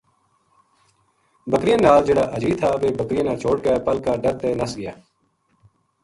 بکریاں نال جہڑا اجڑی تھا ویہ بکریاں نا چھوڈ کے پل کا ڈر تے نس گیا۔